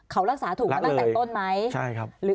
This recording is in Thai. เขารักษาถูกมาตั้งแต่ต้นไหม